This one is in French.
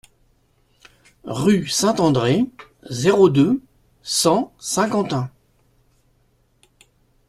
Rue Saint-André, zéro deux, cent Saint-Quentin